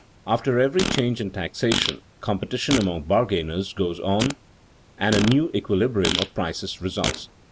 _After every change in taxation, competition among bargainers goes on and a new equilibrium of prices results.